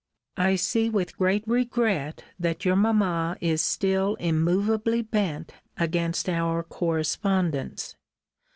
I see with great regret that your mamma is still immovably bent against our correspondence.